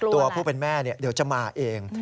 ตัวผู้เป็นแม่เดี๋ยวจะมาเอง